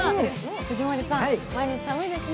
藤森さん、毎日寒いですね。